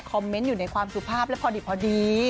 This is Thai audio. เมนต์อยู่ในความสุภาพแล้วพอดี